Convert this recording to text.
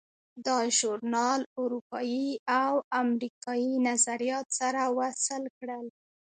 دا ژورنال اروپایي او امریکایي نظریات سره وصل کړل.